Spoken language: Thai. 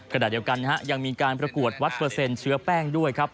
ขณะเดียวกันยังมีการประกวดวัดเปอร์เซ็นต์เชื้อแป้งด้วยครับ